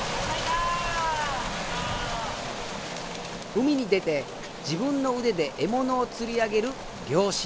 海に出て自分の腕で獲物を釣り上げる漁師。